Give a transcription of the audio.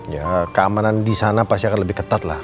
ya keamanan disana pasti akan lebih ketat lah